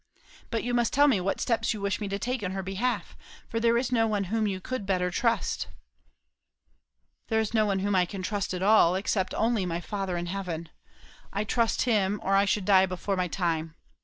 "But you must tell me what steps you wish me to take in her behalf if there is no one whom you could better trust." "There is no one whom I can trust at all. Except only my Father in heaven. I trust him, or I should die before my time.